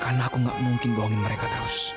karena aku gak mungkin bohongin mereka terus